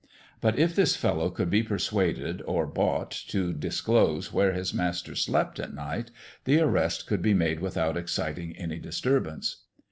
But if this fellow could be persuaded or bought to disclose where his Master slept at night, the arrest could be made without exciting any disturbance.